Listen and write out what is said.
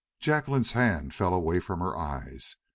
Jacqueline's hand fell away from her eyes.